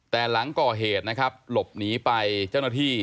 แต่หลังก่อเหตุนะครับหลบหนีไปเจ้าหน้าที่